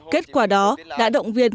kết quả đó đã động viên